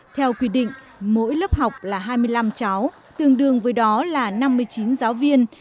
theo quy định mỗi lớp học là hai mươi năm cháu tương đương với đó là năm mươi chín giáo viên